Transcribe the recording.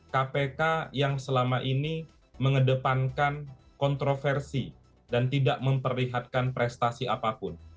kpk yang selama ini mengedepankan kontroversi dan tidak memperlihatkan prestasi apapun